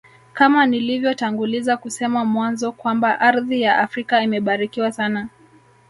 Kama nilivyotanguliza kusema mwanzo Kwamba ardhi ya Afrika imebarikiwa sana